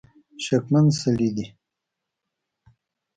شکمن سړي دي.